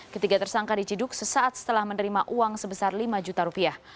ketiga tersangka diciduk sesaat setelah menerima uang sebesar lima juta rupiah